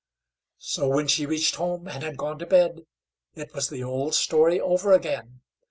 So when she reached home, and had gone to bed, it was the old story over again.